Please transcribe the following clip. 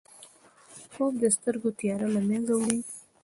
خوب د سترګو تیاره له منځه وړي